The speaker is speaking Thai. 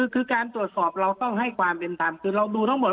คือการตรวจสอบเราต้องให้ความเป็นธรรมคือเราดูทั้งหมด